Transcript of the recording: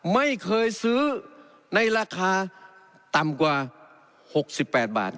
ไม่เคยซื้อในราคาต่ำกว่า๖๘บาท